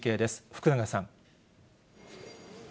福永さん。